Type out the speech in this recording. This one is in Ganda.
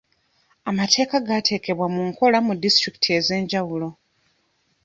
Amateeka gateekebwa mu nkola mu disitulikiti ez'enjawulo.